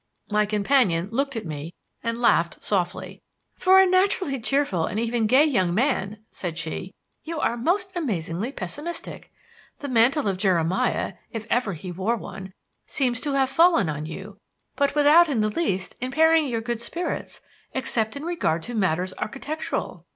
My companion looked at me and laughed softly. "For a naturally cheerful, and even gay young man," said she, "you are most amazingly pessimistic. The mantle of Jeremiah if he ever wore one seems to have fallen on you, but without in the least impairing your good spirits excepting in regard to matters architectural."